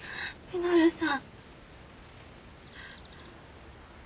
稔さん！